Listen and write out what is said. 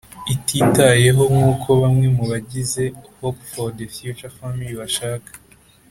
ititayeho nk uko bamwe mu bagize Hope for the Future Family bashaka